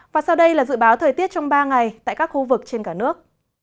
và sau đây là dự báo thời tiết trong ba ngày tại các khu vực trên cả nước